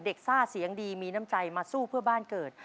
ซ่าเสียงดีมีน้ำใจมาสู้เพื่อบ้านเกิด